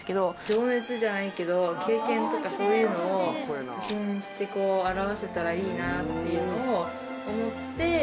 情熱じゃないけど経験とかそういうのを写真にしてこう表せたらいいなっていうのを思って。